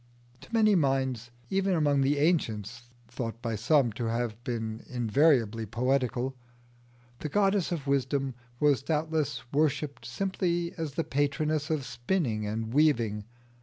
To many minds even among the ancients (thought by some to have been invariably poetical) the goddess of wisdom was doubtless worshipped simply as the patroness of spinning and weaving.